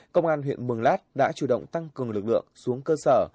công an huyện mường lát đã chủ động tăng cường lực lượng xuống cơ sở